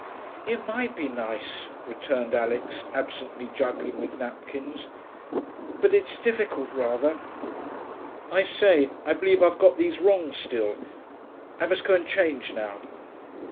'It might be nice,' returned Alix, absently juggling with napkins. 'But it's difficult, rather.... I say, I believe I've got these wrong still.... I must go and change now.'